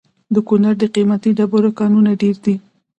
د کونړ د قیمتي ډبرو کانونه ډیر دي